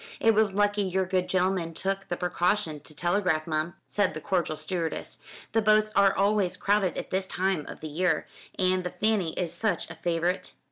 "It was lucky your good gentleman took the precaution to telegraph, mum," said the cordial stewardess; "the boats are always crowded at this time of the year, and the Fanny is such a favourite."